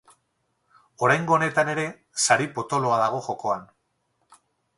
Oraingo honetan ere, sari potoloa dago jokoan.